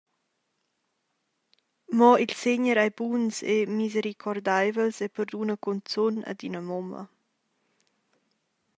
Mo il Segner ei buns e misericordeivels e perduna cunzun ad ina mumma.